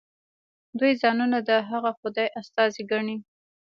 دوی ځانونه د هغه خدای استازي ګڼي.